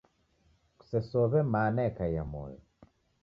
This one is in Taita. Kusesow'e mana yekaia moyo.